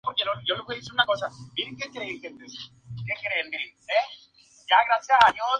Vietnam del Sur mantuvo una economía de libre mercado y mantuvo vínculos con Occidente.